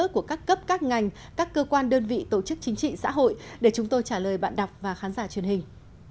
của các cấp các ngành các cơ quan đơn vị tổ chức chính trị xã hội để chúng tôi trả lời bạn đọc và khán giả truyền hình